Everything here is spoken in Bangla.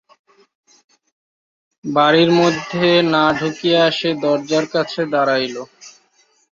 বাড়ির মধ্যে না ঢুকিয়া সে দরজার কাছে দাঁড়াইল।